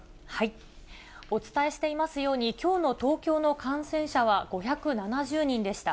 お伝えしていますように、きょうの東京の感染者は５７０人でした。